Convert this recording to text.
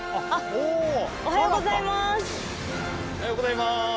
おはようございます。